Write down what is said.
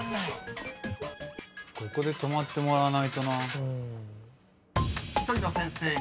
ここで止まってもらわないとな。